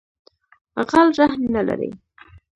غل رحم نه لری